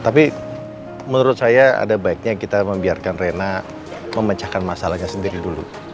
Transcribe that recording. tapi menurut saya ada baiknya kita membiarkan rena memecahkan masalahnya sendiri dulu